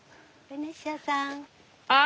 ベニシアさん